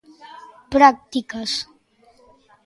Prácticas.